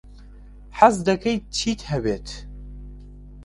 حەز دەکەیت چیت هەبێت؟